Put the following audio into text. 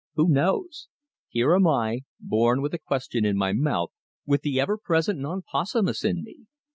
"Who knows! Here am I, born with a question in my mouth, with the ever present 'non possumus' in me.